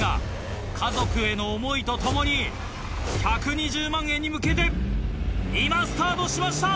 家族への思いとともに１２０万円に向けて今スタートしました。